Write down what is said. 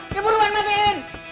ya buruan matiin